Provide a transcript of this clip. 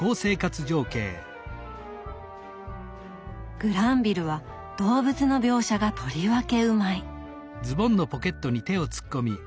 グランヴィルは動物の描写がとりわけうまい！